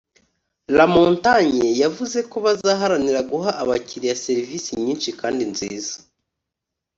Lamontagne yavuze ko bazaharanira guha abakiriya serivisi nyinshi kandi nziza